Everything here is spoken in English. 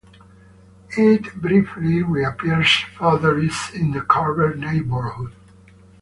It briefly reappears further east in the Carver neighborhood.